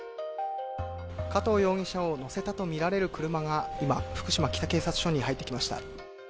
加藤容疑者を乗せたとみられる車が今、福島北警察署に入ってきました。